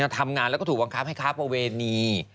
ทำงานแล้วก็ถูกบังคับให้ค้าประเวณี